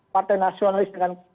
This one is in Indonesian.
partai nasionalis dengan